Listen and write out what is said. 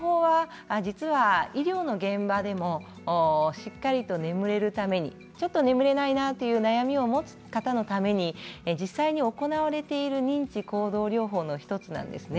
医療の現場でもしっかりと眠れるために眠れないなという悩みを持っている方のために実際に行われている認知行動療法の１つなんです。